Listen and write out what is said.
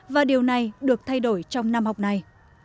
và điều này được thay đổi trong năm học này